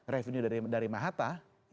revenue dari mahata